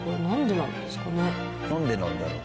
なんでなんだろう？